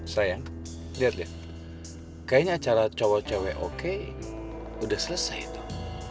sayang lihat deh kayaknya acara cowok cowok oke udah selesai tuh